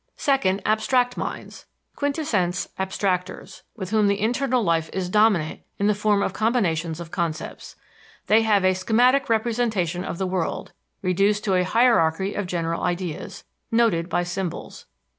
Second, abstract minds, "quintessence abstractors," with whom the internal life is dominant in the form of combinations of concepts. They have a schematic representation of the world, reduced to a hierarchy of general ideas, noted by symbols.